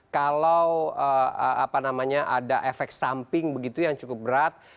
kalau ada efek samping begitu yang cukup berat